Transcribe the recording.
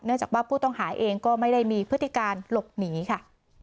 จากว่าผู้ต้องหาเองก็ไม่ได้มีพฤติการหลบหนีค่ะ